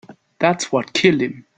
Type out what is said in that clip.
That's what killed him.